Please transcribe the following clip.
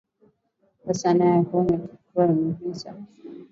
Saha inaeneya ya kwenda ku misa